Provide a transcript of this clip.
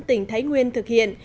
tỉnh thái nguyên thực hiện